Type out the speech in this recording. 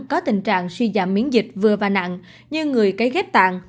có tình trạng suy giảm miễn dịch vừa và nặng như người cấy ghép tạng